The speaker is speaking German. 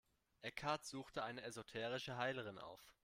Eckhart suchte eine esoterische Heilerin auf.